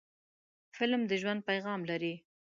فلم د ژوند پیغام لري